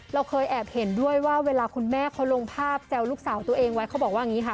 เราเคยแอบเห็นด้วยว่าเวลาคุณแม่เขาลงภาพแจวลูกสาวตัวเองไว้เขาบอกว่าอย่างนี้ค่ะ